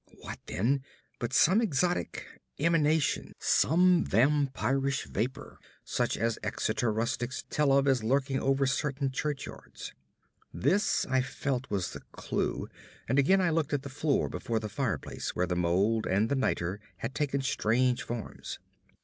What, then, but some exotic emanation; some vampirish vapor such as Exeter rustics tell of as lurking over certain churchyards? This I felt was the clue, and again I looked at the floor before the fireplace where the mold and niter had taken strange forms.